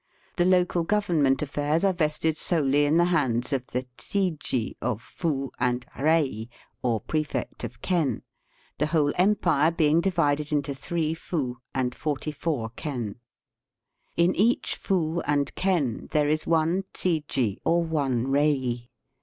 The local government affairs ai'e vested solely in the hands of the chiji of fu and rei, or prefect of ken, the whole empire being divided into 3 fu and 44 ken. In each fu and ken there is one chiji or one rei.